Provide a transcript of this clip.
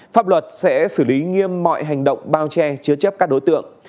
pháp luật sẽ xử lý nghiêm mọi hành động bao che chứa chấp các đối tượng